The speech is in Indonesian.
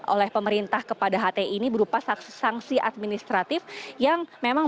oleh pemerintah kepada hti ini berupa sanksi administratif yang memang